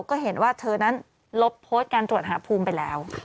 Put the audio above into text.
ก็เห็นว่าเธอนั้นลบโพสต์การตรวจหาภูมิไปแล้ว